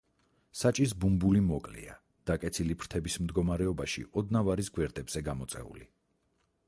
საჭის ბუმბული მოკლეა, დაკეცილი ფრთების მდგომარეობაში ოდნავ არის გვერდებზე გამოწეული.